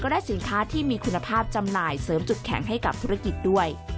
ได้สินค้าที่มีคุณภาพจำหน่ายเสริมจุดแข็งให้กับธุรกิจด้วย